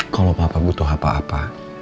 kalau papa butuh apa apa